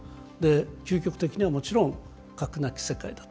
究極的にはもちろん、核なき世界だと。